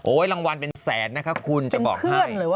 รางวัลเป็นแสนนะคะคุณจะบอกให้